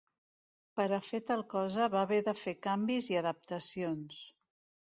Per a fer tal cosa va haver de fer canvis i adaptacions.